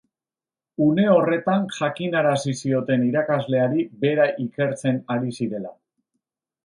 Une horretan jakinarazi zioten irakasleari bera ikertzen ari zirela.